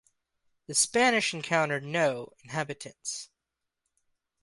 The Spanish encountered no inhabitants.